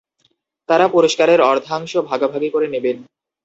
তারা পুরস্কারের অর্ধাংশ ভাগাভাগি করে নেবেন।